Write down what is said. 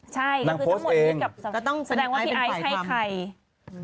ใช่ก็คือทั้งหมดนี้กับพี่ไอซ์ให้ใครนั่งโพสต์เอง